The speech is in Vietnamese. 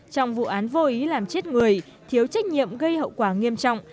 trong vụ án vô ý làm chết người thiếu trách nhiệm gây hậu quả nghiêm trọng